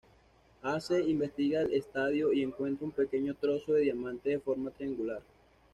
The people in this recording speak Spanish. Ace investiga el estadio y encuentra un pequeño trozo de diamante de forma triangular.